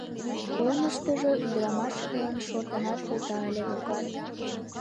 Олмыштыжо ӱдырамаш гын, шортынат колта ыле докан...